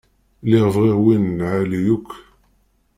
Lliɣ bɣiɣ win n lεali yakk.